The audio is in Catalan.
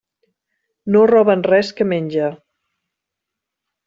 No roben res que menja.